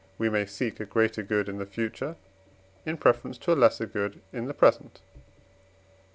we may seek a greater good in the future in preference to a lesser good in the present, &c.